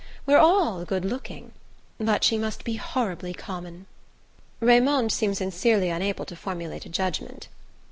We're all good looking. But she must be horribly common." Raymond seemed sincerely unable to formulate a judgment.